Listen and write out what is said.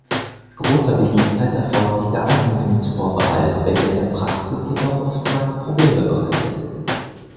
Großer Beliebtheit erfreut sich der Eigentumsvorbehalt, welcher in der Praxis jedoch oftmals Probleme bereitet.